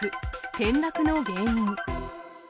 転落の原因。